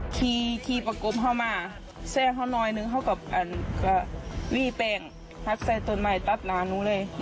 คีย์ประกบเขามาแซ่งเขาน้อยหนึ่งเขาก็วี่แป้งหักใส่ตัวใหม่ตัดล้านู้นเลย